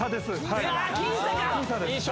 はい